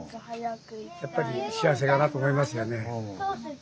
やっぱり幸せだなと思いますよね。